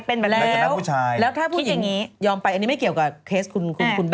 เป็นแบบนั้นฐานะผู้ชายแล้วถ้าผู้หญิงอย่อมไปอันนี้ไม่เกี่ยวกับ